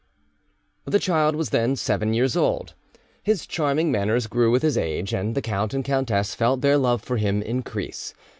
The child was then seven years old. His charming manners grew with his age, and the count and countess felt their love for him increase.